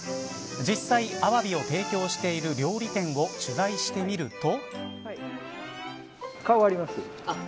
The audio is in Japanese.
実際、アワビを提供している料理店を取材してみると。